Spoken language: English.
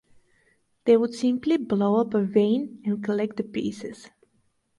They would simply blow up a vein and collect the pieces.